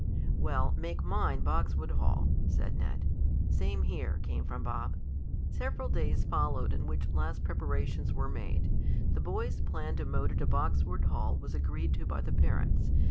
"Well, make mine Boxwood Hall," said Ned. "Same here," came from Bob. Several busy days followed in which last preparations were made. The boys' plan to motor to Boxwood Hall was agreed to by the parents.